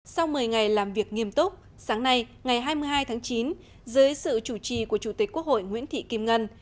sau một mươi ngày làm việc nghiêm túc sáng nay ngày hai mươi hai tháng chín dưới sự chủ trì của chủ tịch quốc hội nguyễn thị kim ngân